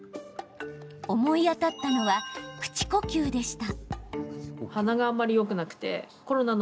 思い当たったのは、口呼吸でした。